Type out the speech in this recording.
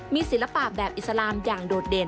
มีศิลปะแบบอิสลามอย่างโดดเด่น